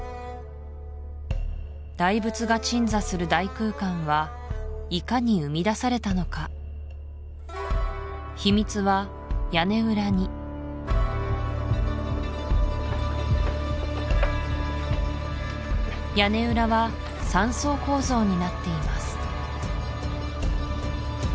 大仏が鎮座する大空間はいかに生みだされたのか秘密は屋根裏に屋根裏は３層構造になっています